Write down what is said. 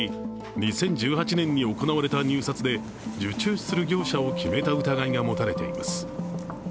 ２０１８年に行われた入札で受注する業者を決めた疑いが持たれています。